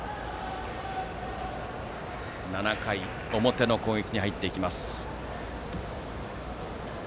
７回表の攻撃に入っていきます。